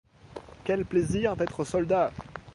Quel plaisir d'être soldat !